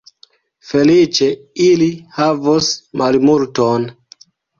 Feliĉe, ili havos malmulton.